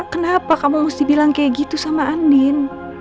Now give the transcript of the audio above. kenapa kamu mesti bilang kayak gitu sama andin